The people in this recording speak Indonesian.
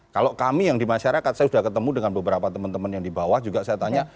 kalau kami yang di masyarakat saya sudah ketemu dengan beberapa teman teman yang di bawah juga saya tanya